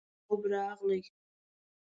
خوب راغی.